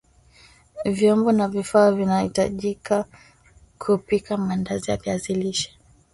Vyombo na vifaa vinavyahitajika kupika maandazi ya viazi lishe